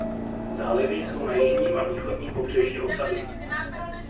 Zálivy jsou na jižním a východním pobřeží osady.